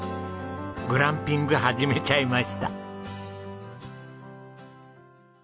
グランピング始めちゃいました。